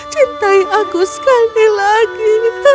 cintai aku sekali lagi